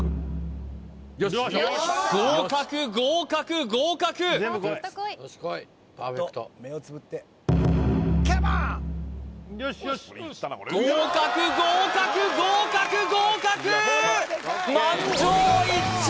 合格合格合格合格合格合格合格！